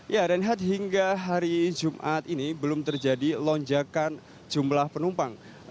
ya reinhard hingga hari jumat ini belum terjadi lonjakan jumlah penumpang